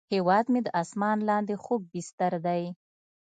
هیواد مې د اسمان لاندې خوږ بستر دی